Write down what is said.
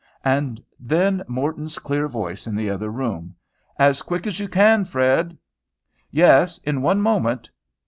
And then Morton's clear voice in the other room, "As quick as you can, Fred." "Yes! in one moment.